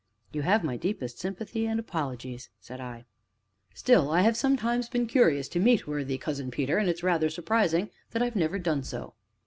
"You have my deepest sympathy and apologies!" said I. "Still, I have sometimes been curious to meet worthy Cousin Peter, and it is rather surprising that I have never done so."